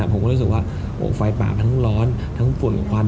ผมก็รู้สึกว่าไฟป่าทั้งร้อนทั้งฝุ่นควัน